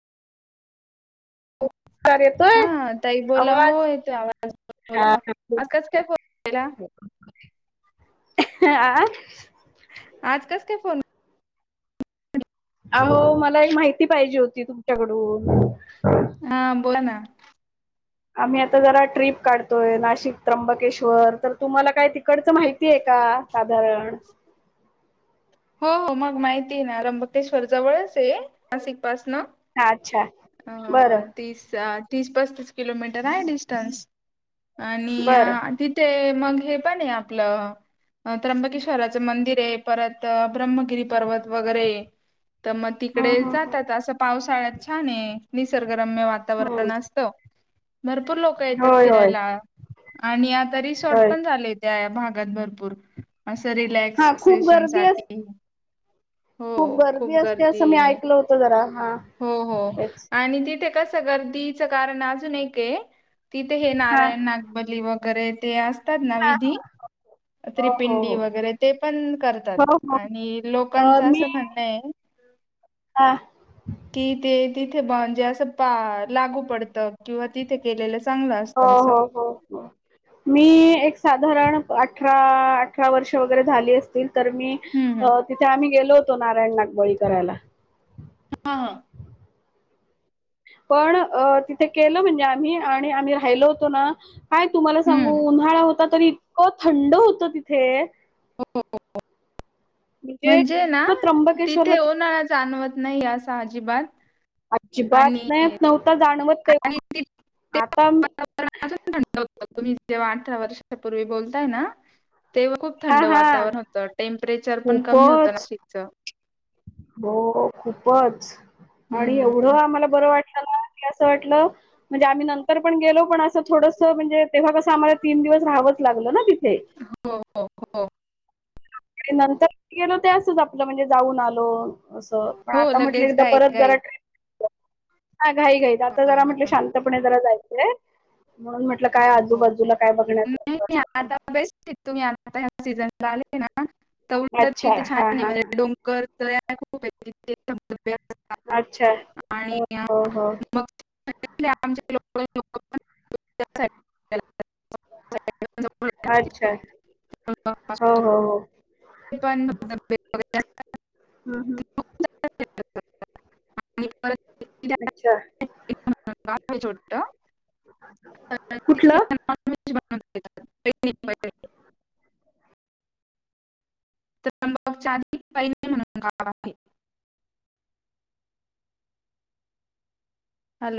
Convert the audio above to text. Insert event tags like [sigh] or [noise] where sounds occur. Car हा येतोय ताई बोला आवाज हो येतो हा आवाजला आज कस काय फोन केला आ आज कस काय फोन अहो मला हि माहिती पाहिजे होती तुमच्याकडून हा बोल ना आम्ही आता जरा ट्रिप काढतोय नाशिक त्र्यंबकेश्वर तर तुम्हाला काय तिकडचं माहिती आहे का साधारण हो हो मग माहिती आहे ना र्यंबकेश्वर जवळच आहे [inaudible] पाच न हा अच्छा बरं अ तीस तीस पस्तीस किलोमीटर आहे डिस्टन्स बरं आणि तिथे मग हे पन्हाय आपलं त्र्यंबकेश्वराचं मंदिर आहे परत ब्रह्मगिरी पर्वत वगैरे तर मग हम्म तिकडे हम्म हम्म जातात असं पावसाळ्यात छाने निसर्ग रम्य वातावरण हम्म असतं भरपूर लोक येतात होय होय फिरायला आणि आ रिसॉर्ट होय पण झालेत त्यात भागात भरपूर असं हा खूप रिलॅक्सेशन गर्दी अस साठी हो खूप गर्दी असते असं मी गर्दीय ऐकलं होतं जरा हा हो हो तेच आणि तिथे कस तिथं गर्दीच कारण अजून एकय तिथे हे हा नारायण हा नागबली व गैरे ते अस तर करतात ना हा. विधी हो हो तपिंडी वगैरे ते पण करतात हो हो हो आणि अ लोकां तीज मी असं म्हणंय हा की ते तिथे म्हणजे असं लागू पडत किंवा तिथे केलेलं चांगलं हो असतं असं हो हो हो--मी एक साधारण अठरा, अठरा वर्ष वगैरे झाली असतील. तर मी हम्म हम्म अ तिथे आम्ही गेलो तो नारायण नागबळी करायला हा हा पण अ तिथे केलं म्हणजे आम्ही आणि राहिलो होतो ना काय तुम्हाला सांगू हम्म उन्हाळा हो तरी इतकं थंड होत तिथे! हो म्हणजे ना इतकं त्र्यंबकेश्वरला तिथे उन्हाळा जाणवत नाही असं अजिबात अजिबात आणि नाही नव्हत जाणवत ते आणि ति ते आता मी वातावरण अजून थंड तुम्ही जेव्हा अठरा वर्षाच्या पूर्वी बोलताय ना? तेव्हा खूप हा थंड हा वातावरण होतं टेमं प्रेचर पण कमी होतं खूपच नाशिक [unintelligible] हो खूपच आणि हम्म. एवढं आम्हाला बरं वाट मला कि असं वाटलं म्हणजे आम्ही नंतर पण गेलो पण असं थोडस म्हणजे तेव्हा कसं आम्हाला तीन दिवस राहावंच लागलं ना तिथे हो, हो, हो, आणि नंतर गेलो ते असच, आपलं म्हणजे जाऊन आलो असं पण हो आता म्हटलं लगेच एकदा घाईत परत जरा घाईत. ट्रिप ह घाई घाईत आता हां, जरा म्हटलं हां, शांतपणे जरा जाईं ह [inaudible] म्हणून म्हटलं काय हो, हो. आजूबाजूला काय बघण्याचा नाही, अस नाही असत आता बेस्ट आहे तुम्ही आता ह सीझन ला आलेय ना तर उलट अच्छा तिथे छान हा आहे हा म्हणजे डोंगर दऱ्या ू व्य [inaudible] अच्छा अं, हो हो मग तिथले [inaudible] त्या [inaudible] अच्छा प हो [inaudible] हो हो त्या [inaudible] हम् हम् फिरत असतात. आणि परत अच्छा का ोट [inaudible] कुठला न [unintelligible] [inaudible] त्र्यंबाकच्याध पहिना म्हणून गाव आहे हॅलो